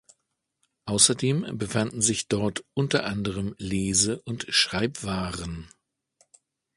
Außerdem befanden sich dort unter anderem Lese- und Schreibwaren.